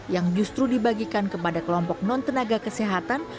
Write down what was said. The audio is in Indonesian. yang justru dibagikan kepada kelompok non tenaga kesehatan